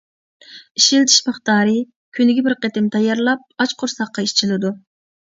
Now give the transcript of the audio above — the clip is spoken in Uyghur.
ئىشلىتىش مىقدارى: كۈنىگە بىر قېتىم تەييارلاپ، ئاچ قورساققا ئىچىلىدۇ.